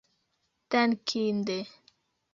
dankinde